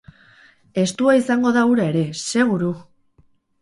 Estua izango da hura ere, seguru!